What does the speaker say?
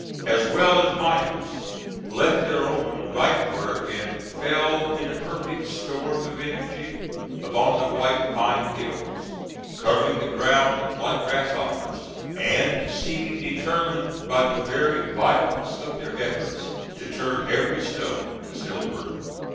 as well as miners—left their own right work and fell in a perfect storm of energy upon the White Pine Hills, covering the ground like grasshoppers, and seeming determined by the very violence of their efforts to turn every stone to silver.